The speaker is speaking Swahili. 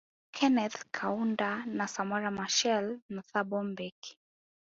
Keneth Kaunda na Samora Michael na Thabo mbeki